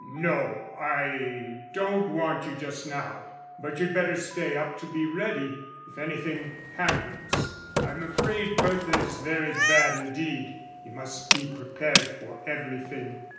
"No, I don't want you just now; but you'd better stay up to be ready, if anything happens.... I'm afraid Bertha is very bad indeed you must be prepared for everything."